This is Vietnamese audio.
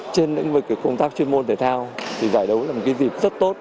trên lĩnh vực công tác chuyên môn thể thao giải đấu là một dịp rất tốt